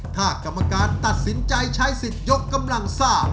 ถ้ากรรมการตัดสินใจใช้สิทธิ์ยกกำลังซ่า